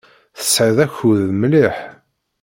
Tesɛiḍ akud mliḥ.